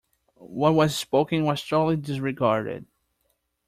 What was spoken was totally disregarded.